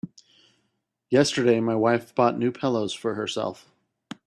Yesterday my wife bought new pillows for herself.